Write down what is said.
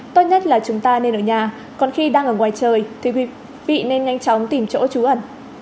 tốt nhất là chúng ta nên ở nhà còn khi đang ở ngoài trời thì vị nên nhanh chóng tìm chỗ trú ẩn